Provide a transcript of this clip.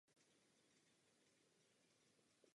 Je pojmenována podle Královských botanických zahrad v Kew.